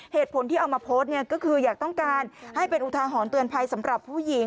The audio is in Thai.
เหตุผลที่เอามาโพสต์เนี่ยก็คืออยากต้องการให้เป็นอุทาหรณ์เตือนภัยสำหรับผู้หญิง